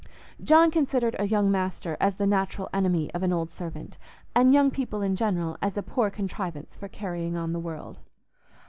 John considered a young master as the natural enemy of an old servant, and young people in general as a poor contrivance for carrying on the world.